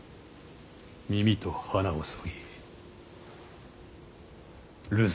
耳と鼻をそぎ流罪。